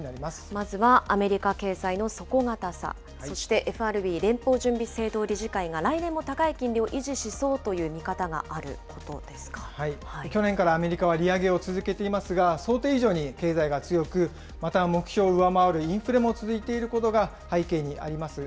まずはアメリカ経済の底堅さ、そしてＦＲＢ・連邦準備制度理事会が来年も高い金利を維持しそう去年からアメリカは利上げを続けていますが、想定以上に経済が強く、また目標を上回るインフレも続いていることが背景にあります。